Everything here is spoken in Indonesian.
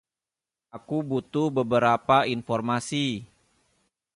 Aku butuh beberapa informasi.